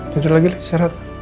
tidur lagi saya rahat